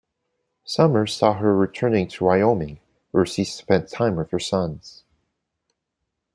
Summers saw her returning to Wyoming, where she spent time with her sons.